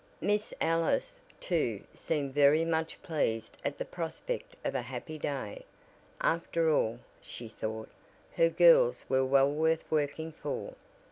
Miss Ellis, too, seemed very much pleased at the prospect of a happy day "after all," she thought, "her girls were well worth working for."